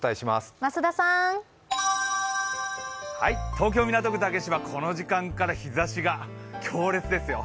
東京・港区竹芝、この時間から日ざしが強烈ですよ。